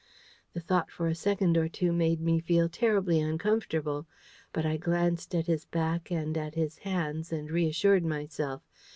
The thought for a second or two made me feel terribly uncomfortable. But I glanced at his back and at his hands, and reassured myself.